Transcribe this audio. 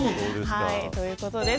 ということです。